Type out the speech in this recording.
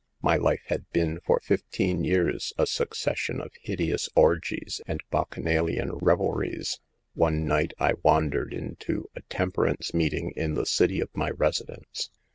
My life had been for fifteen years a suc cession of hideous orgies and Bacchanalian revelries. One night I wandered into a tem perance meeting in the city of my residence.